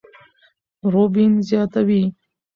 روبين زياتوي،